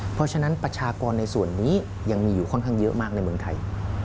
เพราะฉะนั้นประชากรในส่วนนี้ยังมีอยู่ค่อนข้างเยอะมากในเมืองไทย